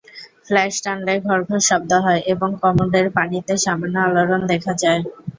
Flash টানলে ঘড়ঘড় শব্দ হয় এবং কমোডের পানিতে সামান্য আলোড়ন দেখা যায়।